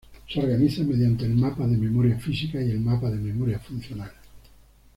Se organiza mediante el mapa de memoria física y el mapa de memoria funcional.